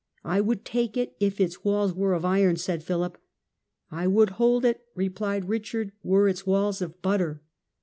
" I would take it if its walls were of iron ", said Philip. " I would hold it ", replied Richard, "were its walls of butter."